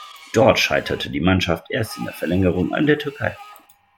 Dort scheiterte die Mannschaft erst in der Verlängerung an der Türkei.